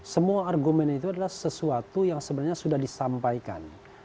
semua argumen itu adalah sesuatu yang sebenarnya sudah disampaikan